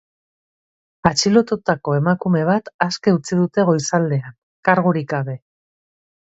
Atxilotutako emakume bat aske utzi dute goizaldean, kargurik gabe.